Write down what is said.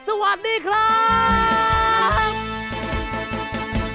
สวัสดีครับ